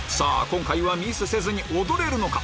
今回はミスせずに踊れるのか？